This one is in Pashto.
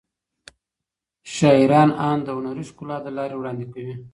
شاعران اند د هنري ښکلا له لارې وړاندې کوي.